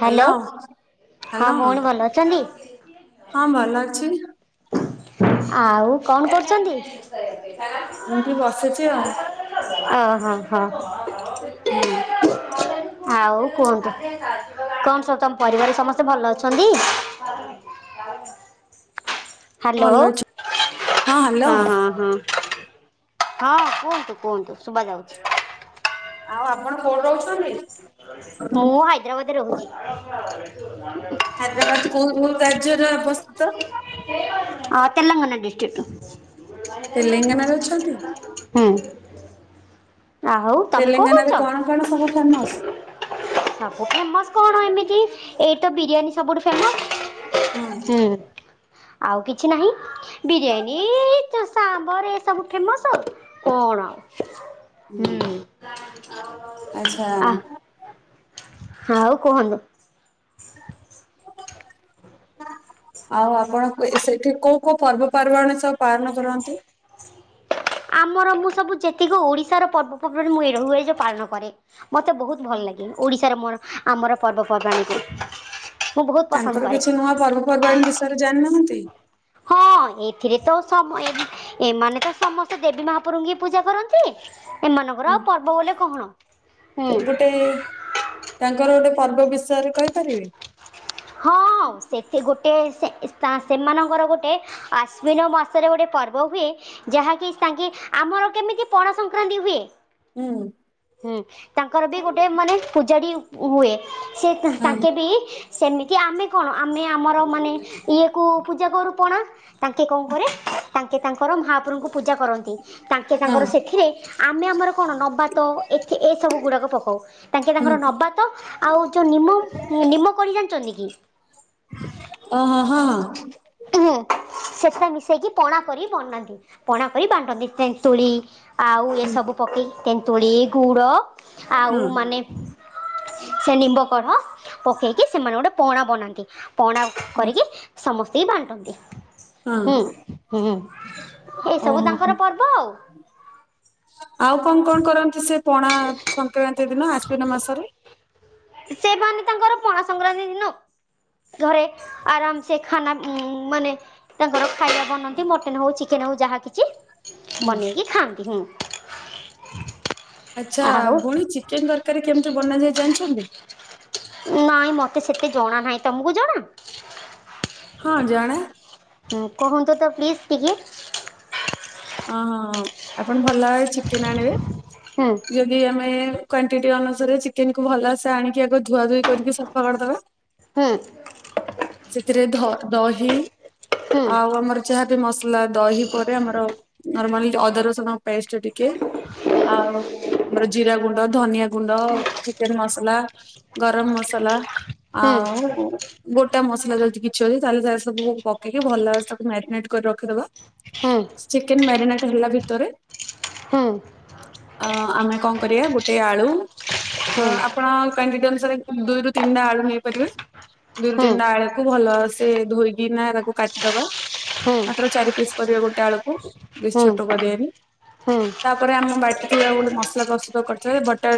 Hello! Hello hello ହଁ ଭଉଣୀ ଭଲ ଅଛନ୍ତି? ହଁ ଭଲ ଅଛି। ଆଉ କଣ କରୁଚନ୍ତି? ଏମିତି ବସିଛି ଆଉ। ଓହୋ! ହଁ। ହୁଁ। ଆଉ କୁହନ୍ତୁ, କଣ ସବୁ ତମ ପରିବାର ସମସ୍ତେ ଭଲ ଅଛନ୍ତି? [inaudible] ହ୍ୟାଲୋ! ଭଲ ଅଛି ହଁ, ହଁ, ହଁ। ହଁ, କୁହନ୍ତୁ, କୁହନ୍ତୁ। ଶୁଭା ଯାଉଛି। ଆଉ ଆପଣ କୋଉଠି ରହୁଛନ୍ତି? ମୁଁ ହାଇଦ୍ରାବାଦରେ ରହୁଛି। ହାଇଦ୍ରାବାଦ କୋଉ କୋଉ ରାଜ୍ୟରେ ଅବସ୍ଥିତ? ଆଁ ତେଲଙ୍ଗାନା ଡିଷ୍ଟ୍ରିକ୍ଟ୍ ତେଲେଙ୍ଗାନାରେ ଅଛନ୍ତି ଟୁ। ଆ ହଉ ତମେ କୋଉଠି ତେଲେଙ୍ଗାନାରେ ରହୁଚ? କଣ କଣ ସବୁ ଫେମସ୍? ସବୁ ଫେମସ୍ କଣ ଏମିତି? ଏଇଠିତ ବିରିୟାନୀ ସବୁଠୁ ହଁ ଫେମସ୍। ହୁଁ, ଆଉ କିଛି ନାହିଁ। ବିରିୟାନୀ-ଇ, ସାମ୍ବର ଏ ସବୁ ଫେମସ୍ ଆଉ, କଣ ଆଉ? ହୁଁ, ଆଚ୍ଛା ଆଃ ଆଉ କୁହନ୍ତୁ? ଆଉ ଆପଣ ସେଠି କୋଉ କୋଉ ପର୍ବପର୍ବାଣୀ ସବୁ ପାଳନ କରନ୍ତି? ଆମର ମୁଁ ସବୁ ଯେତିକ ଓଡିଶାର ପର୍ବପର୍ବାଣି, ମୁଁ ଏରା ହୁଏ ଯେ ପାଳନ କରେ। ମୋତେ ବହୁତ ଭଲ ଲାଗେ। ଓଡ଼ିଶାର ମୋର ଆମର ପର୍ବପର୍ବାଣିକୁ। ମୁଁ ବହୁତ ପସନ୍ଦ ତାଙ୍କର କରେ। କିଛି ନୂଆ ପର୍ବପର୍ବାଣି ବିଷୟରେ ଜାଣିନାହାଁନ୍ତି? ହଁ, ଏଥିରେ ତ ସମୟେନ୍ ଏମାନେ ତ ସମସ୍ତେ ଦେବୀ ମହାପୁରୁଙ୍କୁ ହି ପୂଜା କରନ୍ତି। ଏମାନଙ୍କର ଆଉ ପର୍ବ ବୋଲି କହଣ? ହୁଁ। ହେ। ତାଙ୍କର ଗୋଟେ ପର୍ବ ବିଷୟରେ କହିପାରିବେ? ହଁ, ସେଥି ଗୋଟେ ସେ-ସା-ସେମାନଙ୍କର ଗୋଟେ ଆଶ୍ୱିନ ମାସରେ ଗୋଟେ ପର୍ବ ହୁଏ, ଯାହାକି ତାଙ୍କେ ଆମର କେମିତି ପଣା ସଂକ୍ରାନ୍ତି ହୁଏ? ହୁଁ। ହୁଁ, ତାଙ୍କର ବି ଗୋଟେ ମାନେ ପୂଜାଡ଼ୀ ହୁଏ, ସେ ହଁ। ତାଙ୍କେ ବି ଏମିତି ଆମେ କଣ? ଆମେ ଆମର ମାନେ ଇ ଏ କୁ ପୂଜା କରୁ ପଣା! ତାଙ୍କେ କଣ କରେ, ତାଙ୍କେ ତାଙ୍କର ମହାପ୍ରଭଙ୍କୁ ପୂଜା କରନ୍ତି। ତାଙ୍କେ ହଁ ତାଙ୍କର ସେଥିରେ, ଆମେ ଆମର କଣ ନବାର୍ତ, ଏ-ଏସବୁ ଗୁଡ଼ାକ ପକଉ। ତାଙ୍କେ ହଁ ତାଙ୍କର ନବାର୍ତ, ଆଉ ଯୋଉ ନିମ, ନିମ କଢି ଜାଣିଚନ୍ତି କି? ଓ ହଁ, ହଁ। ହୁଁ ସେଟା ମିଶେଇକି ପଣା କରି ବନାନ୍ତି ପଣା କରି ବାଣ୍ଟନ୍ତି ତେନ୍ତୁଳି। ଆଉ ହୁଁ ଏସବୁ ପକେଇ ତେନ୍ତୁଳି ଗୁଡ଼ ଆଉ ହଁ ମାନେ। ସେ ନିମ୍ବ କଢ଼ ପକେଇକି। ସେମାନେ ଗୋଟେ ପଣା ବନାନ୍ତି ପଣା କରିକି ସମସ୍ତିଙ୍କି ବାଣ୍ଟନ୍ତି। ହଁ ହୁଁ ହୁଁ ଏସବୁ ଓହୋ ତାଙ୍କର ପର୍ବ ଆଉ। ଆଉ କଣ କଣ କରନ୍ତି ସେ ପଣା ସଂକ୍ରାନ୍ତି ଦିନ ଆଶ୍ଵିନ ମାସରେ? ସେମାନେ ତାଙ୍କର ପଣା ସଂକ୍ରାନ୍ତି ଦିନ ଘରେ ଆରାମ ସେ ଖାନା ମାନେ ତାଙ୍କର ଖାଇବା ବନାନ୍ତି ମଟନ ହଉ ଚିକେନ ହଉ ଯାହା କିଛି। ହୁଁ ବନେଇକି ଖାଆନ୍ତି ହିଁ। ଆଚ୍ଛା ଭଉଣୀ ଚିକେନ ତରକାରୀ କେମିତି ବନାଯାଏ ଜାଣିଛନ୍ତି? ନାଇଁ ମତେ ସେତେ ଜଣା ନାହିଁ ତମକୁ ଜଣା? ହଁ ଜଣା। ହୁଁ କୁହନ୍ତୁ ତ ପ୍ଲିଜ୍ ଟିକେ। ଓହୋହୋ ଆପଣ ଭଲ ଭାବେ ଚିକେନ ଆଣିବେ। ହୁଁ। ଆମେ କ୍ୱାଣ୍ଟିଟି ଅନୁସାରେ ଚିକେନ କୁ ଭଲସେ ଆଣିକି ଆଗ ଧୁଆ ଧୁଇ କରିକି ସଫା କରିଦବା। ହୁଁ। ସେଥିରେ ଧଅ ଦହି ହୁଁ ଆଉ ଆମର ଯାହା ବି ମସ ଲା ଦହି ପରେ ଆମର ନର୍ମାଲି ଅଦା ରସୁଣ ପେଷ୍ଟ ଟିକେ। ଆଉ ଆମର ଜିରା ଗୁଣ୍ଡ ଧନିଆ ଗୁଣ୍ଡ ଚିକେନ ମସଲା ଗରମ ମସଲା ହୁଁ ଆଉ ଗୋଟା ମସଲା ଯଦି କିଛି ଅଛି। ତାହଲେ ସବୁ ପକେଇକି ଭଲ ଭାବରେ ତାକୁ ମ୍ୟାରିନେଟ କରି ରଖିଦବ। ହୁଁ। ଚିକେନ ମ୍ୟାରିନେଟ ହେଲା ଭିତରେ ହୁଁ। ଅ ଆମେ କଣ କରିବା ଗୋଟେ ଆଳୁ ହୁଁ ଆପଣ କାଣ୍ଟିଟ ଅନୁସାରେ ଦୁଇରୁ ତିନଟା ଆଳୁ ନେଇପାରିବେ। ଦୁଇରୁ ହୁଁ ତିନଟା ଆଳୁକୁ ଭଲସେ ଧୋଇକି ନା ତାକୁ କାଟିଦବା। ହୁଁ ହୁଁ ମାତ୍ର ଚାରି ପିସ୍ କରିବା ଗୋଟେ ଆଳୁକୁ ବିସ୍ ହୁଁ ଛୋଟ କରିବାନି ହୁଁ ତାପରେ ଆମେ ବାଟିଥିବା ଗୋଟେ ମସଲା କସୁ କରିଥିଲେ ଭଟା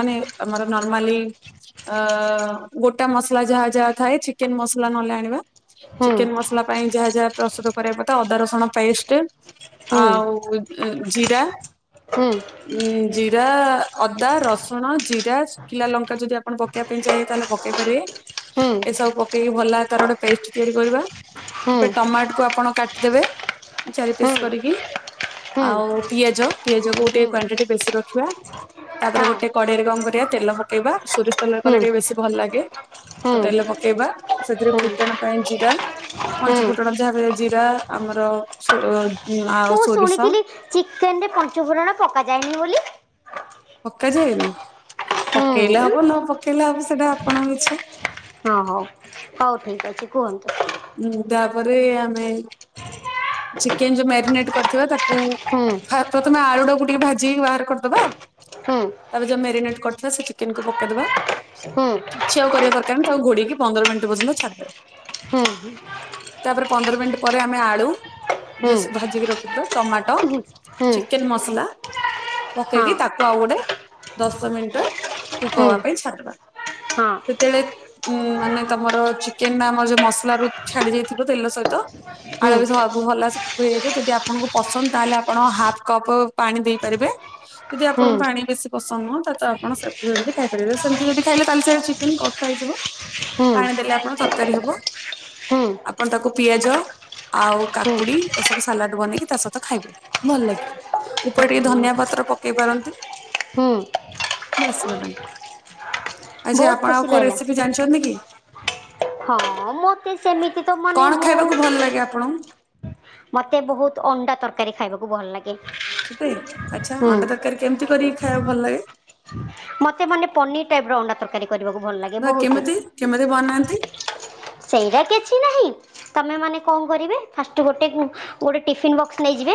ମାନେ ଆମର ନର୍ମାଲି ଅ ଗୋଟା ମସଲା ଯାହା ଯାହା ଥାଏ ଚିକେନ ମସଲା ନହେଲେ ଆଣିବା। ହୁଁ ଚିକେନ ହୁଁ ମସଲା ପାଇଁ ଯାହା ଯାହା ପ୍ରସ୍ତୁତ କରବା କଥା ଅଦା ରସୁଣ ପେଷ୍ଟ। ଆଉ ଜିରା। ହୁଁ। ଉଁ ଜିରା ଅଦା ରସୁଣ ଜିରା। କିଲା ଲଙ୍କା ଯଦି ଆପଣ ପକେଇବା ପାଇଁ ଚାହେଁ ତାହେଲେ ପକେଇପାରିବେ। ଏସବୁ ପକେଇକି ଭଲ ତାର ଗୋଟେ ପେଷ୍ଟ ତିଆରି କରିବା ହଁ ସେପ ହୁଁ ଟମାଟକୁ ଆପଣ କାଟିଦେବେ। ଚାରି ପିସ୍ କରିକି ହୁଁ ଆଉ ପିଆଜ ପିଆଜକୁ ଗୋଟେ କ୍ଵାଣ୍ଟିଟି ବେଶୀ ରଖିବା। ତାପରେ ଗୋଟେ କଡ଼େଇରେ ଗମ କରିବା ତେଲ ପକେଇବା ସୋରିଷ ତେଲରେ ହୁଁ କଲେ ଟିକେ ବେଶୀ ଭଲ ଲାଗେ। ତ ତେଲ ପକେଇବା ସେଥିରେ ହୁଁ ମୁଁ ଫୁଟଣ ପାଇଁ ଜିରା ପଞ୍ଚୁ ଫୁଟଣ ଯାହା ଜିରା ଆମର ଓ ଆଉ ସୋରିଷ। ଶୁଣିଥିଲି ଚିକେନରେ ପଞ୍ଚଫୁଟଣ ପକାଯାଏନି ବୋଲି ପକାଯାଏନି ହୁଁ ପକେଇଲେ ହଁ ହବ ନ ପକେଇଲେ ହବ ସେଟା ଆପଣଙ୍କ ଇଚ୍ଛା। ହଁ ହଉ ହଉ ଠିକ୍ ଅଛି କୁହନ୍ତୁ। ହୁଁ ତାପରେ ଆମେ। ଚିକେନ ଯୋଉ ମ୍ୟାରିନେଟ କରିଥିବା ତାକୁ ହୁଁ ଫାତ ତମେ ଆଳୁଡାକୁ ଟିକିଏ ଭାଜିିକି ବାହାର କରିଦବା। ହୁଁ ତାପରେ ଯ ମ୍ୟାରିନେଟ୍ କରିଥିବା ସେ ଚିକେନକୁ ପକେଇଦବା। ହୁଁ କିଛି ଆଉ କରିବା ଦରକାରନି ତାକୁ ଘୋଡେକି ପନ୍ଦର ମିନଟି ପର୍ଯ୍ୟନ୍ତ ଛାଡ଼ିଦେବେ। ହୁଁ। ତାପରେ ପନ୍ଦର ମିନିଟ୍ ପରେ ଆମେ ଆଳୁ। ଯଉ ହୁଁ ସେ ଭାଜିକି ରଖିଥିବା ଟମାଟୋ ଚିକେନ ମସଲା। ପକେଇକି ତାକୁ ଆଉ ଗୋଟେ ଦଶ ମିନିଟ କୁକ ହବା ପାଇଁ ଛାଡି ଦବା। ତେତେଳେ ଉଁ ମାନେ ତମର ଚିକେନ ଟା ଆମର ଯୋଉ ମସଲାରୁ ଛାଡି ଯାଇଥିବ ତେଲ ସହିତ। ହୁଁ। ଭଲ ସୁଖ ହେଈଯାଇଥିବ ଯଦି ଆପଣଙ୍କୁ ପସନ୍ଦ ତାହେଲେ ଆପଣ ହାପ୍ କପ ପାଣି ଦେଇପାରିବେ। ଯଦି ଆପଣଙ୍କୁ ପାଣି ବେଶୀ ପସନ୍ଦ ନୁହଁ ତା ତ ଆପଣ [unintelligible] ଖାଇପାରିବେ ସେମିତି ଯଦି ଖାଇଲେ ତାହେଲେ ସେ ଚିକେନ୍ କ ଶାଇଯିବ ପାଣି ଦେଲେ ଆପଣ ତରକାରୀ ହବ। ଆପଣ ତାକୁ ପିଆଜ ଆଉ। କାକୁଡି ଏସବୁ ସାଲାଡ ବନେଇକି ତା ସହିତ ଖାଇବେ ଭଲ ଲାଗେ। ଉପରେ ଟିକିଏ ଧନିଆ ପତ୍ର ପକେଇ ପାରନ୍ତି ବାସ୍ନା ପାଇଁ। ଆଚ୍ଛା ବହୁତ ଆପଣ ଆଉ ଖୁସି କୋଉ ଲାଗିଲା ରେସିପି ଜାଣିଛନ୍ତି କି? ହଁ ମୋତେ ସେମିତି ତ ମାନେ କଣ ମୁଁ। ଖାଇବାକୁ ଭଲ ଲାଗେ ଆପଣଙ୍କୁ ମତେ ବହୁତ ଅଣ୍ଡା ତରକାରୀ ଖାଇବାକୁ ଭଲ ଲାଗେ। ଏ ସୁପେ ଆଚ୍ଛା ଅଣ୍ଡା ତରକାରୀ କେମିତି କରିକି ଖାଇବାକୁ ଭଲ ଲାଗେ? ମତେ ମାନେ ପନିର୍ ଟାଇପର ଅଣ୍ଡା ତରକାରୀ କରିବାକୁ ଭଲ ଲାଗେ। ବା ବହୁତ କେମିତି କେମିତି ବନାନ୍ତି? ସେଇଟା କିଛି ନାହିଁ ତମେ ମାନେ କଣ କରିବେ ଫାଷ୍ଟ ଗୋଟେ। ଗୋଟେ ଟିଫିନ୍ ବକ୍ସ ନେଇଯିବେ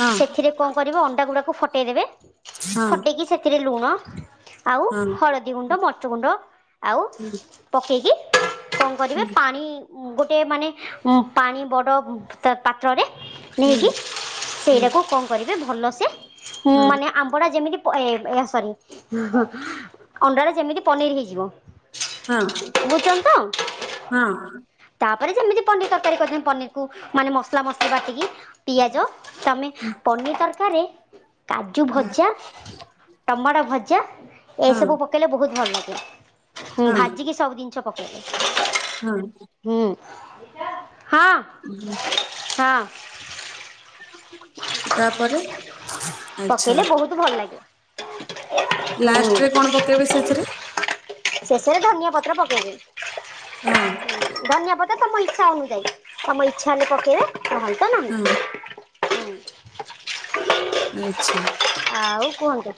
ହଁ ସେଥିରେ କଣ କରିବ ଅଣ୍ଡାଗୁଡ଼ାକୁ ଫଟେଇଦେବେ। ହଁ ଫଟେଇକି ସେଥିରେ ଲୁଣ। ଆଉ ହଁ। ହଳଦୀ ଗୁଣ୍ଡ ମଚ ଗୁଣ୍ଡ ଆଉ ହୁଁ ପକେଇକି। କଣ ହୁଁ କରିବେ ପାଣି ଗୋଟେ ମାନେ ପାଣି ବଡ ପାତ୍ରରେ। ହୁଁ ନେଇକି ହୁଁ ସେଇଟାକୁ କଣ କରିବେ ଭଲସେ ହୁଁ ମାନେ ଆମ୍ବଡ଼ା ଯେମିତି। ପ ଏ ସରି ଅଣ୍ଡାରେ ଯେମିତି ପନିର ହେଇଯିବ। ହଁ ବୁଝୁଛନ୍ତି ତ ହଁ। ତାପରେ ଯେମିତି ପନିର ତରକାରୀ କରିଦେନ୍ତି ପନିରକୁ ମାନେ ମସଲା ମସଲା ବାଟିକି। ପିଆଜ ତମେ ପନିର ତରକାରୀ। କାଜୁ ଭଜା ଟମାଟୋ ଭଜା ଏଇ ହଁ ସବୁ ପ ପକେଇଲେ ବହୁତ ଭଲ ଲାଗେ ଉଁ ଭାଜିକି ସବୁ ଜିନିଷ ପକେଇ ହଁ। ହୁଁ ହଁ। ହୁଁ ହଁ ଆଚ୍ଛା ପକେଇଲେ ବହୁତୁ ଭଲ ଲାଗିବ। ଲାଷ୍ଟ ରେ କଣ ପକେଇବେ ସେଇଥିରେ? ଶେଷରେ ଧନିଆ ପତ୍ର ପକେଇବି। ହଁ। ଧନିଆ ପତ ତମ ଇଚ୍ଛା ଅନୁଯାଇ ତମ ଇଚ୍ଛା ହେଲେ ପକେଇବେ ନ ହେଲେ ତ ନାହିଁ। [unintelligible] ହୁଁ ଆଚ୍ଛା। ଆଉ କୁହନ୍ତୁ।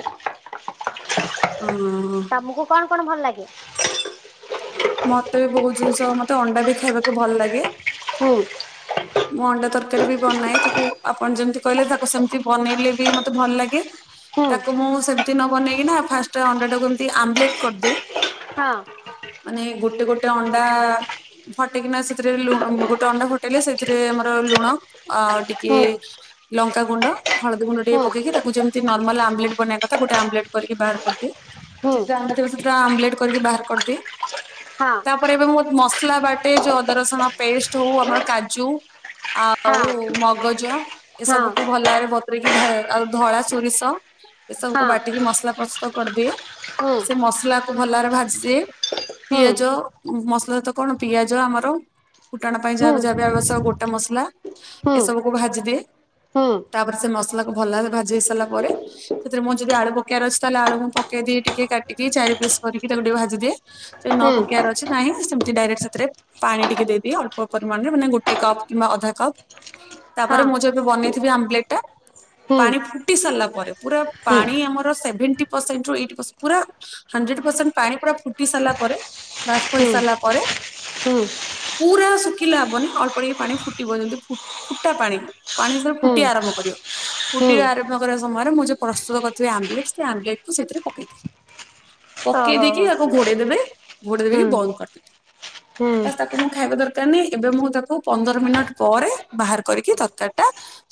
ଉଁ-ଉଁ-ଉଁ-ଉଁ ତମକୁ କଣ କଣ ଭଲ ଲାଗେ? ମତେ ବି ବହୁତ ଜିନିଷ ମତେ ଅଣ୍ଡା ବି ଖାଇବାକୁ ଭଲ ଲାଗେ। ହୁଁ। ମୁଁ ଅଣ୍ଡା ତରକାରୀ ବି ବନାଏ ତାକୁ ଆପଣ ଯେମିତି କହିଲେ ତାକୁ ସେମିତି ବନେଇଲେ ବି ମତେ ଭଲ ଲାଗେ। ହୁଁ ତାକୁ ମୁଁ ସେମିତି ନ ବନେଇକି ନା ଫାଷ୍ଟ ଅଣ୍ଡାଟାକୁ ଏମତି ଆମ୍ଲେଟ କରିଦିଏ‌। ହଁ। ମାନେ ଗୋଟେ ଗୋଟେ ଅଣ୍ଡା-ଆ-ଆ ଫଟେଇକିନା ସେଥିରେ ଲୁଣ ଗୋଟେ ଅଣ୍ଡା ଫଟେଇଲେ ସେ ସେଥିରେ ଆମର ଲୁଣ ଆଉ ଟିକେ ହୁଁ ଲଙ୍କା ଗୁଣ୍ଡ, ହଳଦୀ ଗୁଣ୍ଡ ଟିକେ ହୁଁ ପକେଇକି ତାକୁ ଯେମିତି ନର୍ମାଲ ଆମ୍ଲେଟ୍ ବନେଇବା କଥା ଗୋଟେ ଆମ୍ଲେଟ୍ କରିକି ବାହାର କରିଦିଏ। ହୁଁ ସେଥିରେ ଆ [unintelligible] ସେଥିରେ ଆମ୍ଲେଟ୍ କରିକି ବାହାର କରିଦିଏ। ହଁ ତାପରେ ଏବେ ମୁଁ ମସଲା ବାଟେ ଯୋଉ ଅଦା ରସୁଣ ପେଷ୍ଟ ହଉ ଆମର କା ଜୁ ହଁ ଆଉ ମଗଜ ହଁ ଏସବୁକୁୁ ଭଲରେ ବତୁରେଇକି ଭା ଆଉ ଧଳା ସୋରିଷ ଏସବୁ ହଁ ବାଟିକି ମସଲା ପ୍ରସ୍ତୁତ କରିଦିଏ, ହୁଁ ସେ ମସଲାକୁ ଭଲରେ ଭାଜିଦିଏ। ହୁଁ ପିଆଜ ମସଲା ତ କଣ ପିଆଜ ଆମର ଫୁଟଣ ପାଇଁ ହୁଁ ଯାଆର ଯାଆର [inaudible] ସହ ଗୋଟା ମସଲା ହୁଁ ଏସବୁକୁୁ ଭାଜିଦିଏ। ହୁଁ ତାପରେ ସେ ମସଲାକୁ ଭଲ ଭାବେ ଭାଜି ହେଇ ସାରିଲା ପରେ ସେଥିରେ ମୁଁ ଯଦି ଆଳୁ ପକେଇବାର ଅଛି ତାହେଲେ ଆଳୁ ମୁଁ ପକେଇଦିଏ ଟିକେ କାଟିକି ଚାରି ପିସ୍ କରିକି ତାକୁ ଟିକେ ଭାଜିଦିଏ। ସେ ନ ହୁଁ ପକେଇବାର ଅଛି ନାହିଁ ସେମିତି ଡାଇରେକ୍ଟ ସେଥିରେ ପାଣି ଟିକେ ଦେଇଦିଏ ଅଳ୍ପ ପରିମାଣ ଦିଏ ମାନେ ଗୋଟେ କପ୍ କିମ୍ବା ଅଧା କପ୍, ହଁ ତାପରେ ମୁଁ ଯେବେ ବନେଇଥିବି ଆମ୍ଲେଟ୍ ଟା ହୁଁ ପାଣି ଫୁଟି ସାରିଲା ପରେ ପୁରା ହୁଁ ପାଣି ଆମର ସେଭେଣ୍ଟି ପରସେଣ୍ଟରୁ ଏଇଟି ପରସ୍ ପୁରା ହଣ୍ଡ୍ରେଡ ପରସେଣ୍ଟ ପାଣି ପୁରା ଫୁଟି ସାରିଲା ପରେ, ବାଷ୍ପ ହେଇ ହୁଁ ସାରିଲା ପରେ ହୁଁ। ପୁରା ଶୁଖ୍ ଖିଲା ହବନି ଅଳ୍ପ ଟିକେ ପାଣି ଫୁଟିବ ଯେମିତି ଫୁ ଫୁଟା ପାଣି, ପାଣି ଯେତେବେଳେ ହୁଁ ଫୁଟିବା ଆରମ୍ଭ କରିବ ହୁଁ ଫୁଟିବା ଆରମ୍ଭ କରିବା ସମୟରେ ମୁଁ ଯୋଉ ପ୍ରସ୍ତୁତ କରିଥିବି ଆମ୍ଲେଟ୍ ସେ ଆମ୍ଲେଟ୍ କୁ ସେଥିରେ ପକେଇଦିଏ। ଓହୋ ପକେଇ ହୋ ଦେଇକି ତାକୁ ଘୋଡେଇ ଦେବେ, ଘୋଡେଇ ଦେଇକି ହୁଁ ବନ୍ଦ କରିଦେବେ। ହୁଁ। ବାସ୍ ତାକୁ ମୁଁ ଖାଇବା ଦର୍ [unintelligible] ଏବେ ମୁଁ ତାକୁ ପନ୍ଦର ମିନିଟ୍ ପରେ ବାହାର କରିକି ତରକାରୀଟା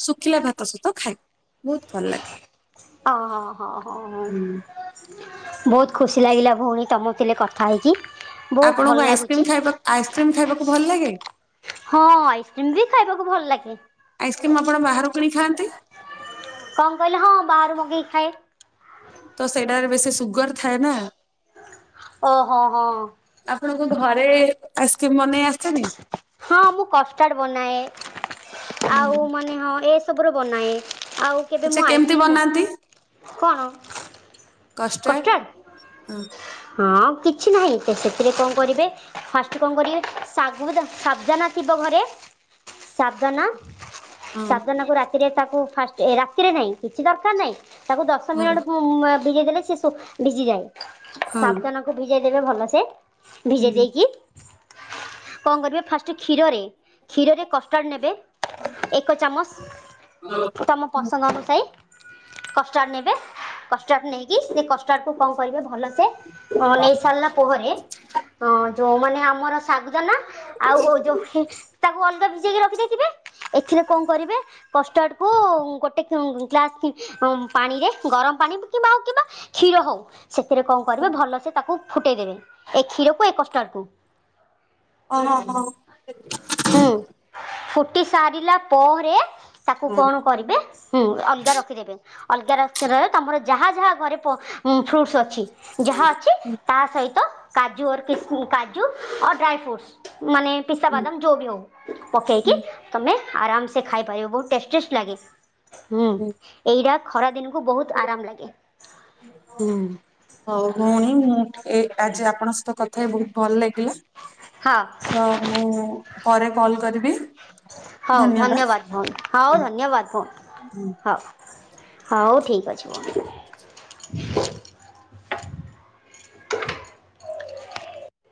ଶୁଖିଲା ଭାତ ସହିତ ଖାଏ, ବହୁତ ଭଲ ଲାଗେ। ହୁଁ ହଁ-ହଁ-ହଁ-ହଁ। ବହୁତ ଖୁସି ଲାଗିଲା ଭଉଣୀ ତମଥିଲେ କଥା ହେଇକି। ବହୁତ ଭଲ ଆପଣଙ୍କୁ ଲାଗୁଛି ଆଇସ୍କ୍ରିମ୍ ଖାଇବା ଆଇସ୍କ୍ରିମ୍ ଖାଇବାକୁ ଭଲ ଲାଗେ? ହଁଅ ଆଇସ୍କ୍ରିମ୍ ବି ଖାଇବାକୁ ଭଲ ଲାଗେ। ଆଇସ୍କ୍ରିମ୍ ଆପଣ ବାହାରୁ କିଣି ଖାଆନ୍ତି? କଣ କହିଲ? ହଁ ବାହାରୁ ମଗେଇ ଖାଏ। ତ ସେଇଟାରେ ବେଶୀ ସୁଗାର ଥାଏ ନା। ଓହୋଃ ହଁ। ଆପଣଙ୍କୁ ଘରେ ଆଇସ୍କ୍ରିମ ବନେଇ ଆସିନି? ହଁ ମୁଁ କଷ୍ଟାର୍ଡ ବନାଏ ହୁଁ ଆଉ ମାନେ ହଁ ଏ ସବୁର ବନାଏ ଆଉ କେବେ ଆଚ୍ଛା ମୁଁ କେମିତି ଆଇସ୍କ୍ରିମ୍ ବନାନ୍ତି କଣ କଷ୍ଟାର୍ଡ଼? ହୁଁ। ହଁ କିଛି ନାହିଁ ତ ସେଥିରେ କଣ କରିବେ। ଫାଷ୍ଟ କଣ କରିବି ଶାଗୁ ସବ୍ଜା ନା ଥିବ ଘରେ ସାବନ। ହଁ ସାତଜଣଙ୍କୁ ରାତିରେ ତାକୁ ଫାଷ୍ଟ ରାତିରେ ନାହିଁ କିଛି ଦରକାର ନାହିଁ। ତାକୁ ଦଶ ହଁ ମିନିଟ ଭିଜେଇ ଦେଲେ ସେ ଭିଜିଯାଏ ହଁ ସାବଧାନ। ଭିଜାଇ ଦେଲେ ଭଲ ଆସେ ଭିଜେଇ ହୁଁ ଦେଇକି। କଣ କରିବ ଫାଷ୍ଟ କ୍ଷୀରରେ କ୍ଷୀରରେ କଷ୍ଟାର୍ଡ଼ ନେବେ ଏକ ଚାମଚ ତମ ହୁଁ ପସଙ୍ଗ ଅନସାଇ କଷ୍ଟାର୍ଡ଼ ନେବେ କଷ୍ଟାର୍ଡ଼ ନେଇକ କି ଏ କଷ୍ଟାଡକୁ କଣ କରିବେ ଭଲ ସେ ନେଇସାରିଲା ପରେ ଯୋଉ ମାନେ ଆମର ଶାଗୁଦାନା ଆଉ ହଉ ଯୋଉ ତାକୁ ଅଲଗା ଭିଜେଇକି ରଖିଦେଇଥିବେ ଏଥିରେ କଣ କରିବେ କଷ୍ଟାର୍ଡ କୁ ଗୋଟେ ଗ୍ଲାସ ପାଣିରେ ଗରମ ପାଣି କିବା ଆଉ କିବା କ୍ଷୀର ହଉ ସେଥିରେ କ'ଣ କରିବେ ଭଲ ସେ ତାକୁ ଫୁଟେଇଦବେ ଏ କ୍ଷୀରକୁ ଏ କଷ୍ଟାଡକୁ। ଓୋ ହୋ। ହୁଁ ଫୁଟି ସାରିଲା ପରେ ତାକୁ ହଁ କଣ କରିବେ ଅଲଗା ରଖିଦେବେ ଅଲଗା ରଖି ରହ ତମର ଯାହା ଯାହା ଘରେ ପ ହୁ ଫ୍ରୁଟ୍ସ୍ ଅଛି ଯାହା ଅଛି ହୁଁ ତା ସହିତ କାଜୁଅର୍ କି କାଜ ଟୁ ଡ୍ରାଏ ଫୃଟ୍ସମାନେ ପିସ୍ତା ହୁଁ ବାଦାମ ଯୋବି ହୁଁ ହଉ। ତମେ ଆରାମ ସେ ଖାଇପାରିବ ବହୁତ ଟଷ୍ଟିସ ଲାଗେ ହୁଁ ଏଇଟା। ଖରା ଦିନକୁ ବହୁତ ଆରାମ ଲାଗେ। ହୁଁ ହଉ ଭଉଣୀ ମୁଁ ଏ ଆଜି ଆପଣଙ୍କ ସହିତ କ ଥାପ ବହୁତ ଭଲ ଲାଗିଲା ହଁ ତ ମୁଁ ପରେ କଲ କରିବି। ହଉ ଧନ୍ୟବାଦ ଭଉଣୀ ହଉ ହୁଁ ଧନ୍ୟବାଦ ହୁଁ। ଭଉଣୀ ହଉ। ହଉ ଠିକ ଅଛି